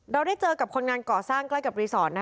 เราได้เจอกับคนงานก่อสร้างใกล้กับรีสอร์ท